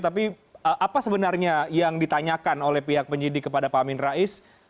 tapi apa sebenarnya yang ditanyakan oleh pihak penyidik kepada pak amin rais